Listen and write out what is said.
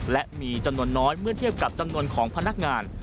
และมีจำนวนน้อยเมื่อเทียบกับจำนวนของพนักงาน